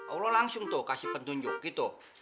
allah langsung tuh kasih petunjuk gitu